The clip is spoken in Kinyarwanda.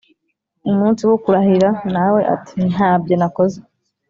umunsi wo kurahira nawe ati:ntabyo nakoze